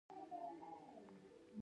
د خپلې خندانې څېرې تر شا یې تعصب پټول.